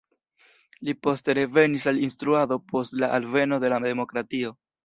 Li poste revenis al instruado post la alveno de la demokratio.